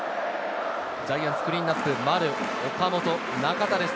ジャイアンツ、クリーンナップ、丸、岡本、中田です。